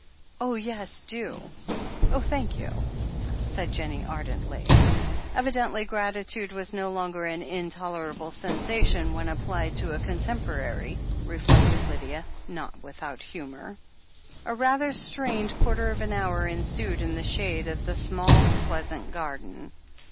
"Oh, yes, do! Oh, thank you !" said Jennie ardently. Evidently gratitude was no longer an intolerable sensation when applied to a contemporary, reflected Lydia, not without humour. A rather strained quarter of an hour ensued in the shade of the small, pleasant garden.